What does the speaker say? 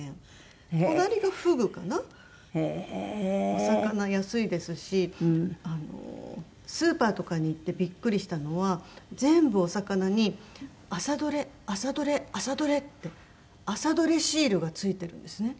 お魚安いですしあのスーパーとかに行ってビックリしたのは全部お魚に「朝どれ」「朝どれ」「朝どれ」って朝どれシールが付いてるんですね。